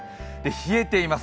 冷えています。